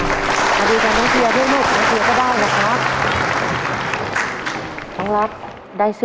มามาดูกันน้องเตียด้วยลูก